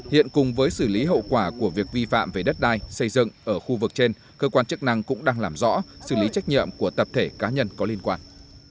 hiện cùng với xử lý hậu quả của việc vi phạm về đất đai xây dựng ở khu vực trên cơ quan chức năng cũng đang làm rõ xử lý trách nhiệm của tập thể cá nhân có liên quan